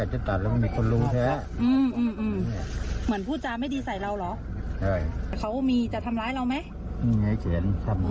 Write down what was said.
เอ่อเขาทำยังไงจุดกระชากเหรออืม